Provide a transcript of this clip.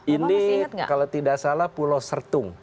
ini kalau tidak salah pulau sertung